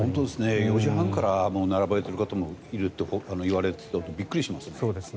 ４時半から並ばれている方もいるって言われていてびっくりしましたね。